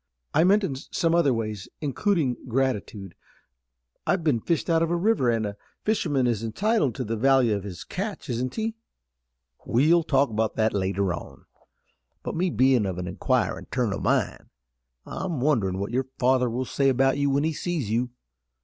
"I meant in some other ways, including gratitude. I've been fished out of a river, and a fisherman is entitled to the value of his catch, isn't he?" "We'll talk about that later on, but me bein' of an inquirin' turn o' mind, I'm wonderin' what your father will say about you when he sees you.